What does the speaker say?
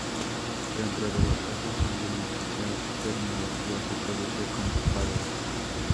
Dentro de los lazos sanguíneos esta terminología se traduce como "Padre".